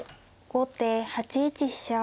後手８一飛車。